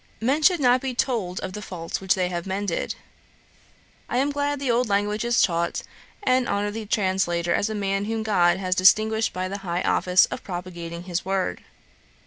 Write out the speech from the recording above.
Men should not be told of the faults which they have mended. I am glad the old language is taught, and honour the translator as a man whom GOD has distinguished by the high office of propagating his word.